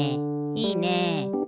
いいね！